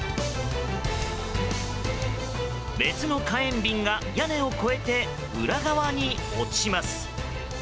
別の火炎瓶が屋根を越えて裏側に落ちます。